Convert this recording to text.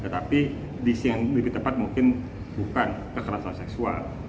tapi diisi yang lebih tepat mungkin bukan kekerasan seksual